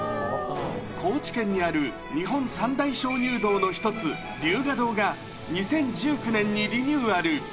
高知県にある日本三大鍾乳洞の一つ、龍河洞が、２０１９年にリニューアル。